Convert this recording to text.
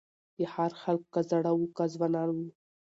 د ښار خلک که زاړه وه که ځوانان وه